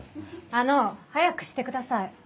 あの早くしてください。